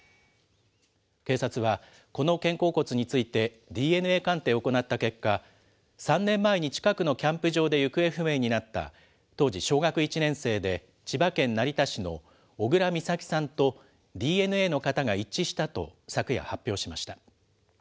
警察は、この肩甲骨についてＤＮＡ鑑定を行った結果、３年前に近くのキャンプ場で行方不明になった、当時小学１年生で、千葉県成田市の小倉美咲さんとＤＮＡの型が一致したと、昨夜、発表しました。